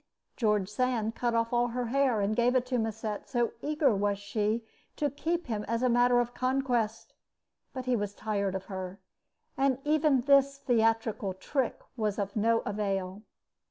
George Sand cut off all her hair and gave it to Musset, so eager was she to keep him as a matter of conquest; but he was tired of her, and even this theatrical trick was of no avail.